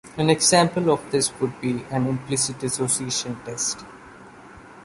An example of this would be an Implicit Association Test.